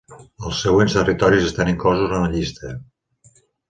Els següents territoris estan inclosos en la llista.